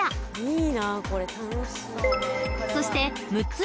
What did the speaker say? ［そして］